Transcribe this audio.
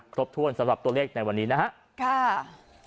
ครบถ้วนสำหรับตัวเลขในวันนี้นะครับ